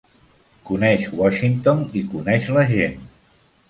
Coneix Washington i coneix la gent.